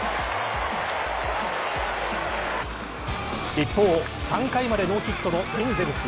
一方、３回までノーヒットのエンゼルス